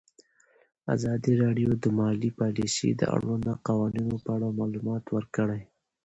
ازادي راډیو د مالي پالیسي د اړونده قوانینو په اړه معلومات ورکړي.